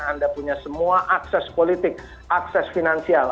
anda punya semua akses politik akses finansial